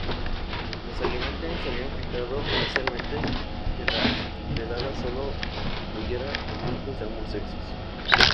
Los alemanes habían fijado inicialmente que la redada sólo incluyera adultos de ambos sexos.